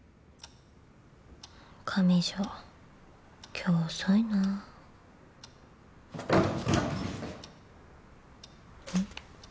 今日遅いな・・うん？